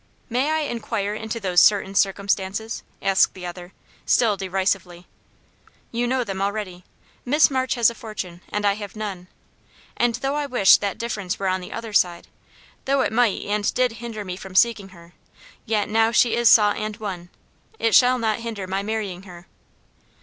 "May I inquire into those 'certain circumstances'?" asked the other, still derisively. "You know them already. Miss March has a fortune and I have none; and though I wish that difference were on the other side though it might and did hinder me from seeking her yet now she is sought and won, it shall not hinder my marrying her."